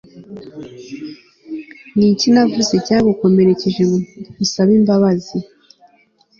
niki navuze cyagukomerekeje ngo nkusabe imbabazi